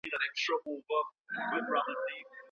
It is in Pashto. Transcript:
ولي خلګ فکر کوي چي نېکمرغي د بریالیتوب لامل دی؟